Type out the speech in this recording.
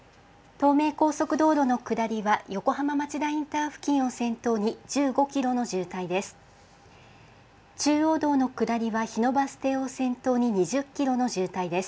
東名高速道路の下りは、横浜町田インターチェンジ付近を先頭に１５キロの渋滞です。